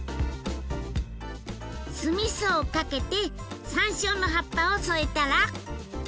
酢みそをかけてさんしょうの葉っぱを添えたら。